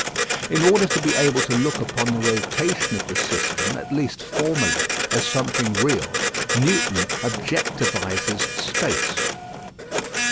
In order to be able to look upon the rotation of the system, at least formally, as something real, Newton objectivises space.